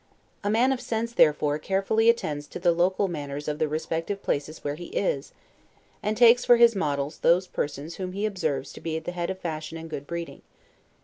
A man of sense, therefore, carefully attends to the local manners of the respective places where he is, and takes for his models those persons whom he observes to be at the head of fashion and good breeding.